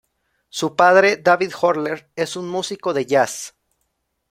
Su padre, "David Horler" es un músico de jazz.